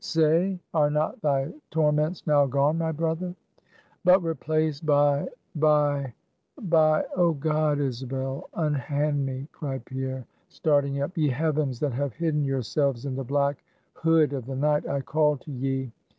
"Say, are not thy torments now gone, my brother?" "But replaced by by by Oh God, Isabel, unhand me!" cried Pierre, starting up. "Ye heavens, that have hidden yourselves in the black hood of the night, I call to ye!